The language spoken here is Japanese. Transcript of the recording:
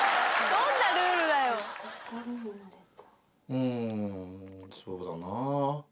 うんそうだなあ